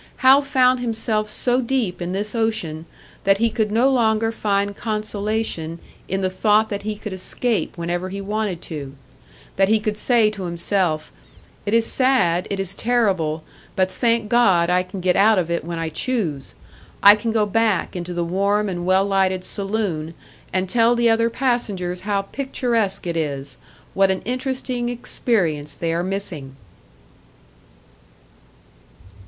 Hal found himself so deep in this ocean that he could no longer find consolation in the thought that he could escape whenever he wanted to: that he could say to himself, It is sad, it is terrible but thank God, I can get out of it when I choose! I can go back into the warm and well lighted saloon and tell the other passengers how picturesque it is, what an interesting experience they are missing!